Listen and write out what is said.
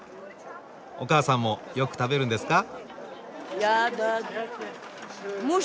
おかあさんもよく食べるんですか？